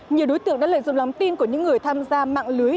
nhiều đối tượng đã lợi dụng lòng tin của những người tham gia mạng lưới